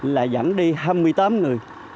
là dẫn đi hai mươi tám người